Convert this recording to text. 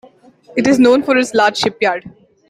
It is known for its large shipyard.